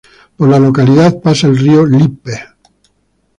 Por la localidad pasa el río Lippe